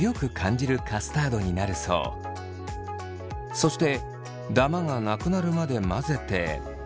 そしてダマがなくなるまで混ぜて。